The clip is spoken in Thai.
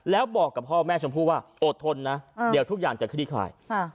แล้วบอกกับพ่อแม่ชมพู่ว่าอดทนนะเดี๋ยวทุกอย่างจะคลี่คลาย